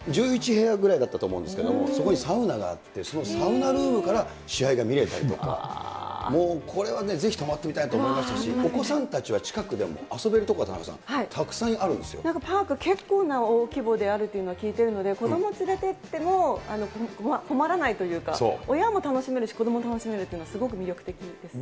１１部屋ぐらいだったと思うんですけど、そこにサウナがあって、そのサウナルームからも試合が見れたりとか、もうこれはね、ぜひ泊まってみたいなと思いましたし、お子さんたちは近くでも遊べる所が、田中さん、たくさんあるんでなんかパーク、結構な大規模であるというのは聞いてるので、子どもを連れていっても、困らないというか、親も楽しめるし、子どもも楽しめるっていうのはすごく魅力的ですよね。